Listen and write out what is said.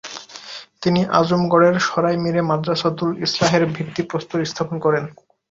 তিনি আজমগড়ের সরাই মীরে মাদ্রাসাতুল ইসলাহের ভিত্তিপ্রস্তর স্থাপন করেন।